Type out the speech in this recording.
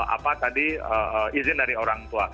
apa tadi izin dari orang tua